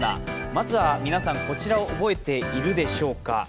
まずは皆さん、こちらを覚えているでしょうか。